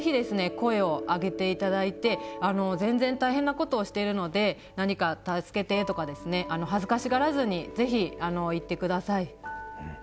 声を上げていただいて全然大変なことをしているので何か助けてとかですね恥ずかしがらずに是非言ってください。